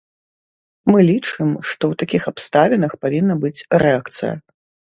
Мы лічым, што ў такіх абставінах павінна быць рэакцыя.